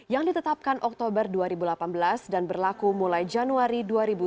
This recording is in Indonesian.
yang ditetapkan oktober dua ribu delapan belas dan berlaku mulai januari dua ribu sembilan belas